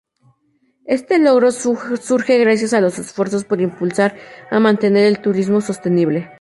Este logro surge gracias a los esfuerzos por impulsar y mantener un turismo sostenible.